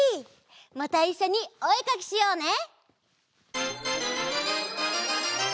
またいっしょにおえかきしようね！